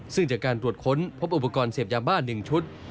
ซึ่งจากการตรวจค้นพบอุปกรณ์เสพยาบ้า๑ชุด